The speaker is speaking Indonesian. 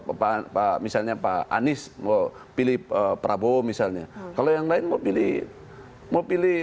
apa pak misalnya pak anies mau pilih prabowo misalnya kalau yang lain mau pilih mau pilih